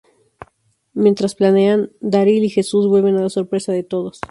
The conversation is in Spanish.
Mientras planean, Daryl y Jesús vuelven a la sorpresa de todos.